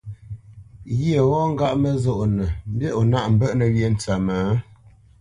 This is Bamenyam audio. Ghyê ghɔ́ ŋgáʼ məzónə́nə mbî o nâʼ mbə́ʼnə̄ wyê ntsə́mə́?